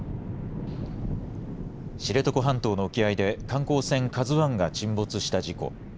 知床半島の沖合で観光船ＫＡＺＵＩが沈没した事故。